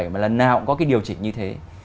mà lần nào cũng có cái điều chỉnh như thế